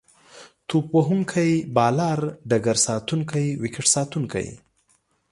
توپ وهونکی، بالر، ډګرساتونکی، ويکټ ساتونکی